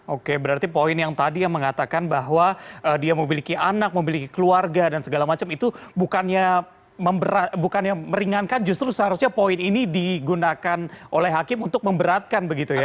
oke berarti poin yang tadi yang mengatakan bahwa dia memiliki anak memiliki keluarga dan segala macam itu bukan yang meringankan justru seharusnya poin ini digunakan oleh hakim untuk memberatkan begitu ya